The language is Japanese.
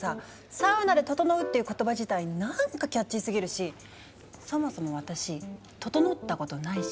「サウナでととのう」っていう言葉自体なんかキャッチーすぎるしそもそも私ととのったことないし。